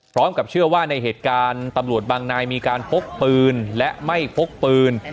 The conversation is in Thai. พร้อมกับเชื่อว่าในเหตุการณ์ตำรวจบางนายมีการพกปืนและไม่พกปืน